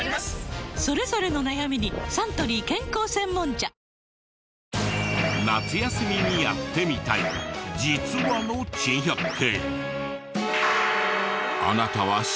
それぞれの悩みにサントリー健康専門茶夏休みにやってみたい「実は」の珍百景。